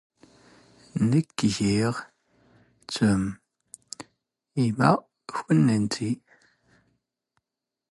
ⵏⴽⴽ ⴳⵉⵖ ⵜⵓⵎ, ⵉⵎⵎⴰ ⴽⵓⵏⵏⵉⵏⵜⵉ?